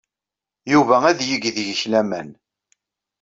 Yuba ad yeg deg-k laman.